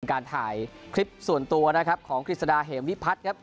การถ่ายคลิปส่วนตัวนะครับของกฤษฎาเหมวิพัฒน์ครับ